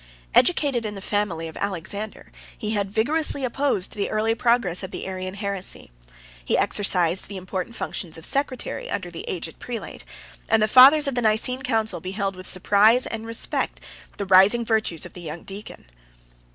Educated in the family of Alexander, he had vigorously opposed the early progress of the Arian heresy: he exercised the important functions of secretary under the aged prelate; and the fathers of the Nicene council beheld with surprise and respect the rising virtues of the young deacon.